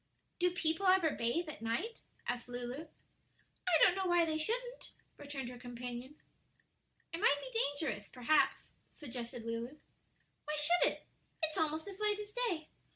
"Do people ever bathe at night?" asked Lulu. "I don't know why they shouldn't," returned her companion. "It might be dangerous, perhaps," suggested Lulu. "Why should it?" said Betty; "it's almost as light as day.